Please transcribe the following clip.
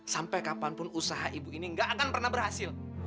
sampai kapanpun usaha ibu ini gak akan pernah berhasil